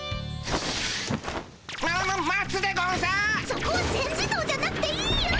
そこは全自動じゃなくていいよ。